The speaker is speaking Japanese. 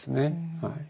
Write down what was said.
はい。